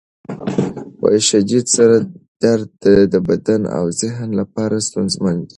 شدید سر درد د بدن او ذهن لپاره ستونزمن دی.